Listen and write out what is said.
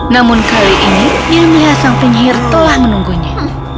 namun kali ini ilmiah sang penyihir telah menunggunya